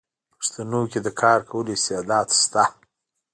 پښتو کې د کار کولو استعداد شته: